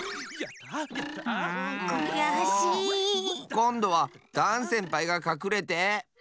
こんどはダンせんぱいがかくれて！